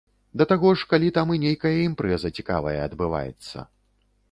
Да таго ж, калі там і нейкая імпрэза цікавая адбываецца.